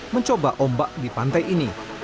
mencoba ombak di pantai ini